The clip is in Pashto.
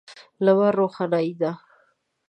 لمر روښنايي ده.